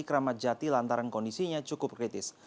keramat jati lantaran kondisinya cukup kritis